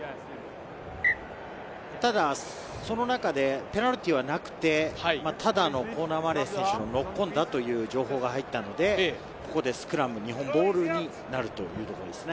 ただ、その中でペナルティーはなくて、ただのコナー・マレー選手のノックオンだという情報が入ったので、ここでスクラム、日本ボールになるというところですね。